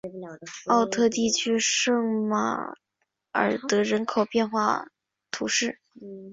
奥特地区圣马尔德人口变化图示